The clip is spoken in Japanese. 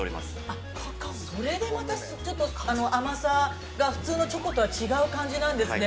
◆あっ、それでまたちょっと、甘さが、普通のチョコとは違う感じなんですね。